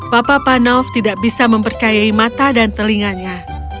papa panov tidak bisa mempercayai mata dan telinganya